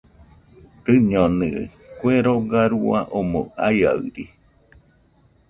Rɨñonɨaɨ, kue roga rua omoɨ aiaɨri.